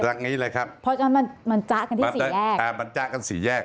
ลักษณะนี้เลยครับเพราะฉะนั้นมันจ๊ะกันที่สีแยกมันจ๊ะกันสีแยก